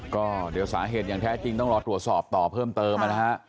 ก็เดี๋ยวสาเหตุอย่างแท้จริงต้องรอตรวจสอบต่อเพิ่มเติมนะฮะ